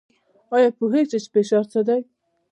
ایا پوهیږئ چې فشار څه دی؟